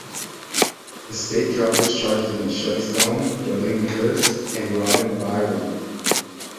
The state dropped its charges against Shelly Stone, Darlene Harris and Robin Byrum.